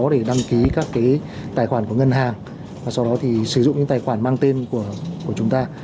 có thể đăng ký các cái tài khoản của ngân hàng và sau đó thì sử dụng những tài khoản mang tên của chúng ta